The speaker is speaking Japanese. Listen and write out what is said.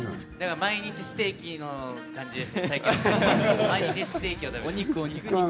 毎日ステ−キの感じです。